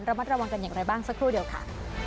ระมัดระวังกันอย่างไรบ้างสักครู่เดียวค่ะ